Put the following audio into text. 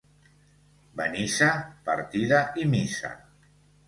Benissa, partida i missa.